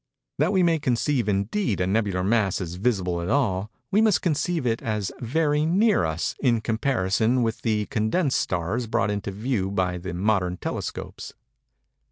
That we may conceive, indeed, a nebular mass as visible at all, we must conceive it as very near us in comparison with the condensed stars brought into view by the modern telescopes.